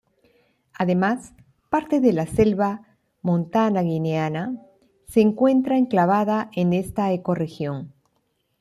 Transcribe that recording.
Además, parte de la selva montana guineana se encuentra enclavada en esta ecorregión.